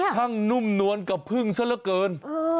นุ่มนวลกับพึ่งซะละเกิน